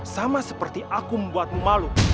sama seperti aku membuatmu malu